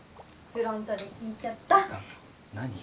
フロントで聞いちゃった何？